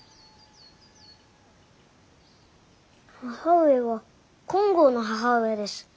母上は金剛の母上です。